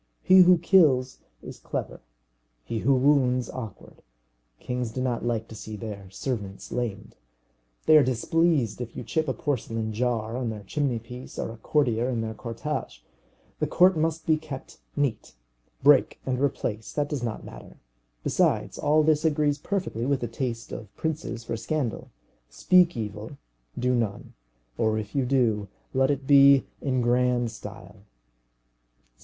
He who kills is clever, he who wounds awkward. Kings do not like to see their servants lamed. They are displeased if you chip a porcelain jar on their chimney piece or a courtier in their cortège. The court must be kept neat. Break and replace; that does not matter. Besides, all this agrees perfectly with the taste of princes for scandal. Speak evil, do none; or if you do, let it be in grand style.